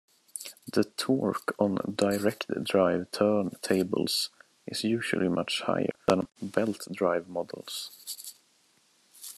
The torque on direct-drive turntables is usually much higher than on belt drive models.